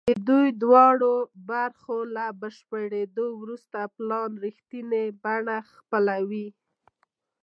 د دې دواړو برخو له بشپړېدو وروسته پلان رښتینې بڼه خپلوي